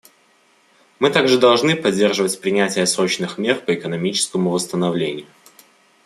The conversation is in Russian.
Мы также должны поддерживать принятие срочных мер по экономическому восстановлению.